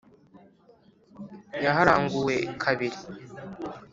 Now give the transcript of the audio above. yaharanguwe kabiri.